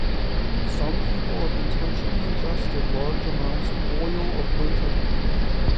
Some people have intentionally ingested large amounts of oil of wintergreen.